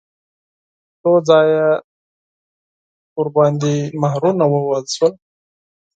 څو ځایه پرې مهرونه ووهل شول.